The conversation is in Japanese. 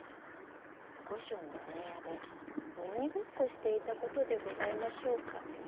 御所のお庭で鬼ごっこしていたことでございましょうか？